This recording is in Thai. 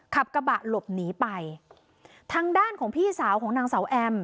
ขับกระบะหลบหนีไปทางด้านของพี่สาวของนางสาวแอม